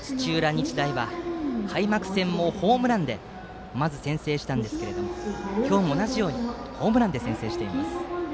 日大は開幕戦もホームランでまず先制しましたが今日も同じようにホームランで先制しています。